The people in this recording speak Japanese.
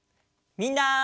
みんな。